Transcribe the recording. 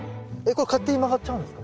これ勝手に曲がっちゃうんですか？